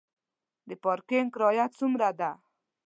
د پارکینګ کرایه څومره ده؟